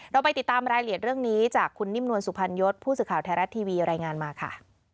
เราไปติดตามรายละเอียดเรื่องนี้จากคุณนิ่มนวลสุพรรณยศผู้สื่อข่าวไทยรัฐทีวีรายงานมาค่ะ